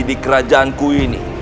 di kerajaanku ini